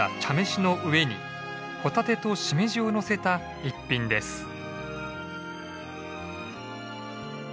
茶飯の上にホタテとシメジをのせた逸品です。